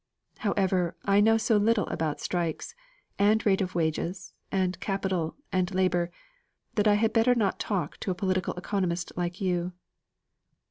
However, I know so little about strikes and rate of wages, and capital, and labour, that I had better not talk to a political economist like you."